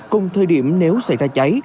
cùng thời điểm nếu xảy ra cháy